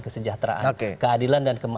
kesejahteraan oke keadilan dan kewajiban